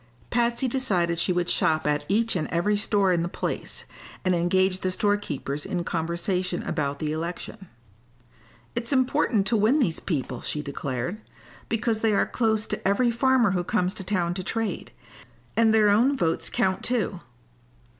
Patsy decided she would shop at each and every store in the place, and engage the store keepers in conversation about the election. "It's important to win these people," she declared, "because they are close to every farmer who comes to town to trade; and their own votes count, too."